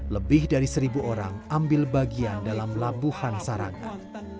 lebih dari seribu orang ambil bagian dalam labuhan sarangan